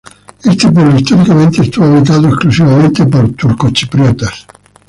Este pueblo, históricamente, estuvo habitado exclusivamente por turcochipriotas.